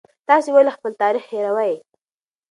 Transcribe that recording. تاسې ولې خپل تاریخ هېروئ؟